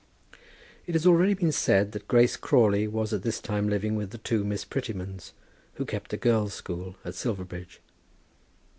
It has already been said that Grace Crawley was at this time living with the two Miss Prettymans, who kept a girls' school at Silverbridge.